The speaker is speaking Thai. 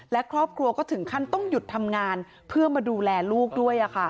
และครอบครัวก็ถึงขั้นต้องหยุดทำงานเพื่อมาดูแลลูกด้วย